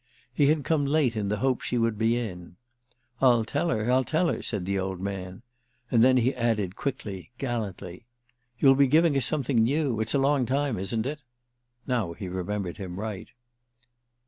He had come late in the hope she would be in. "I'll tell her—I'll tell her," said the old man; and then he added quickly, gallantly: "You'll be giving us something new? It's a long time, isn't it?" Now he remembered him right.